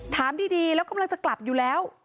ถามดีแล้วกำลังจะกลับอยู่แล้ว